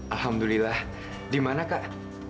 alhamdulillah dimana kak